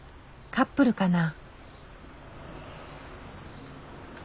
カップルかな？